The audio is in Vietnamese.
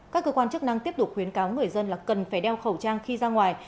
các cơ quan chức năng tiếp tục khuyến cáo người dân là cần phải đeo khẩu trang khi ra ngoài